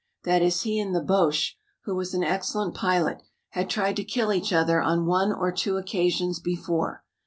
That is he and the Boche, who was an excellent pilot, had tried to kill each other on one or two occasions before.